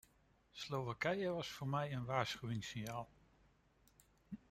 Slowakije was voor mij een waarschuwingssignaal.